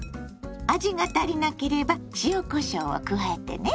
味が足りなければ塩こしょうを加えてね。